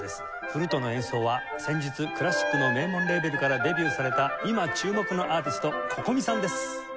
フルートの演奏は先日クラシックの名門レーベルからデビューされた今注目のアーティストＣｏｃｏｍｉさんです。